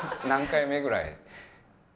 何回目ぐらい？